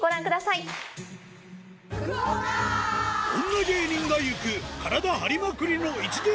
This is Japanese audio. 女芸人が行く体張りまくりの一芸